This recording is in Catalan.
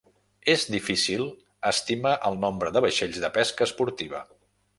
És difícil estimar el nombre de vaixells de pesca esportiva.